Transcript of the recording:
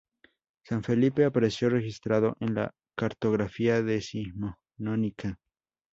San Felipe apareció registrado en la cartografía decimonónica.